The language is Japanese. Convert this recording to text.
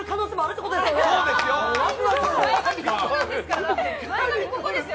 そうですよ。